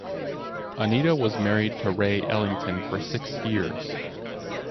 Anita was married to Ray Ellington for six years.